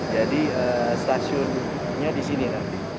jadi stasiunnya di sini nanti